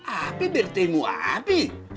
api bertemu api